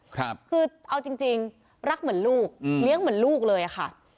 คือเอาจริงจริงรักเหมือนลูกอืมเลี้ยงเหมือนลูกเลยอะค่ะ